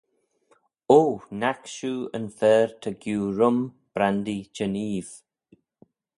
O! naik shiu yn fer ta giu rum, brandee, jeneeve?